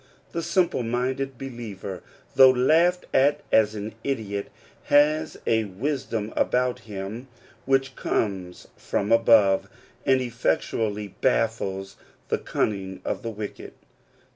The simple minded be liever, though laughed at as an idiot, has a wisdom about him which cometh from above, and effectually baffles the cunning of the wicked.